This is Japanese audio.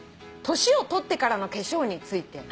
年を取ってからの化粧について」